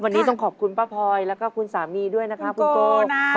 วันนี้ต้องขอบคุณป้าพลอยแล้วก็คุณสามีด้วยนะครับคุณโก